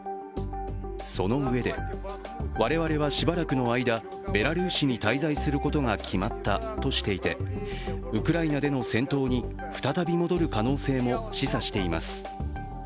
そのうえで、我々はしばらくの間ベラルーシに滞在することが決まったとしていてウクライナでの戦闘に再び戻る可能性も示唆しています。